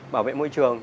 bảo vệ môi trường